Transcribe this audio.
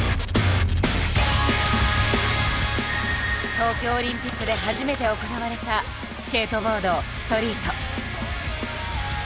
東京オリンピックで初めて行われたスケートボードストリート。